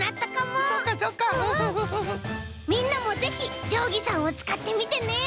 みんなもぜひじょうぎさんをつかってみてね！